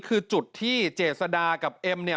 คือจุดที่เจษดากับเอ็มเนี่ย